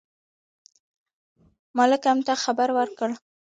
مالکم ته خبر ورکړ.